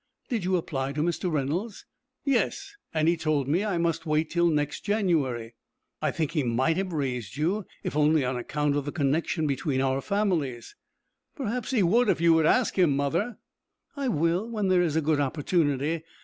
"Did you apply to Mr. Reynolds?" "Yes, and he told me I must wait till next January." "I think he might have raised you, if only on account of the connection between our families." "Perhaps he would if you would ask him, mother." "I will when there is a good opportunity.